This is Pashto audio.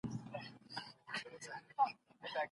په لاس لیکلنه د علمي فقر د له منځه وړلو وسیله ده.